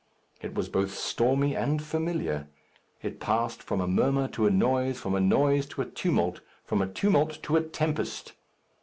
It was both stormy and familiar. It passed from a murmur to a noise, from a noise to a tumult, from a tumult to a tempest.